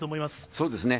そうですね。